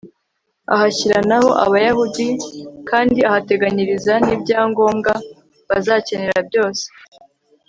ahashyira na ho abayahudi kandi ahateganyiriza n'ibya ngombwa bazakenera byose